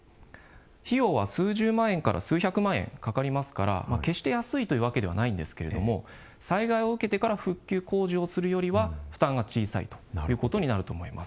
費用は数十万円から数百万円かかりますから決して安いというわけではないんですけれども災害を受けてから復旧工事をするよりは負担が小さいということになると思います。